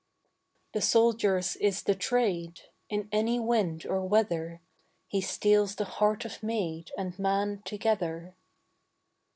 The soldier's is the trade: In any wind or weather He steals the heart of maid And man together.